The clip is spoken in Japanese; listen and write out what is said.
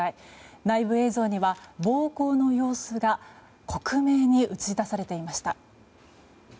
内部映像には暴行の様子が克明に映し出されていました。